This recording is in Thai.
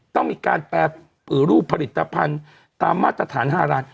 ต้องมีการแปรรูปผลิตภัณฑ์ตามมาตรฐานฮาราน